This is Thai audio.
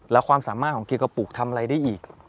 แล้วความสามารถของเกียวกระปุกทำอะไรได้อีก